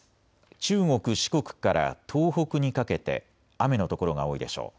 中国、四国から東北にかけて雨の所が多いでしょう。